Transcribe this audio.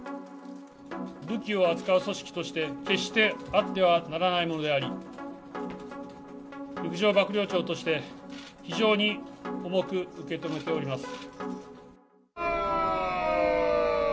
武器を扱う組織として、決してあってはならないものであり、陸上幕僚長として、非常に重く受け止めております。